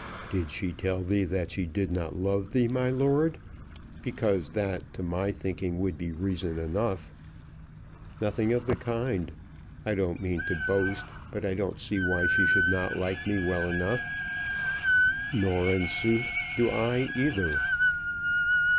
"Did she tell thee that she did not love thee, my lord? because that to my thinking would be reason enough." "Nothing of the kind. I don't mean to boast, but I don't see why she should not like me well enough." "Nor in sooth do I either."